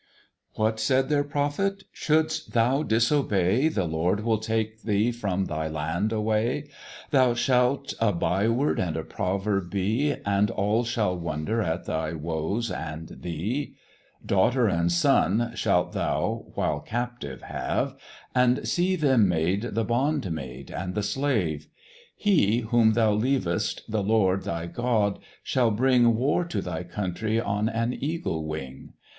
What said their Prophet? "Shouldst thou disobey, The Lord shall take thee from thy land away; Thou shalt a by word and a proverb be, And all shall wonder at thy woes and thee; Daughter and son, shalt thou, while captive, have, And see them made the bond maid and the slave; He, whom thou leav'st, the Lord thy God, shall bring War to thy country on an eagle wing.